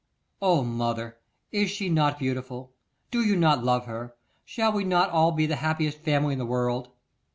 'O mother! is she not beautiful? Do you not love her? Shall we not all be the happiest family in the world?